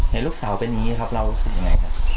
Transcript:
เห็นลูกสาวเป็นอย่างนี้ครับเรารู้สึกยังไงครับ